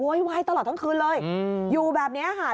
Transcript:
โวยไว้ตลอดทั้งคืนเลยอยู่แบบนี้อาหาร